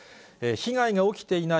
被害が起きていない